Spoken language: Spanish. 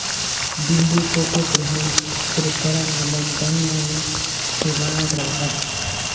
Bimbo y Koko preparan el andamio en que van a trabajar.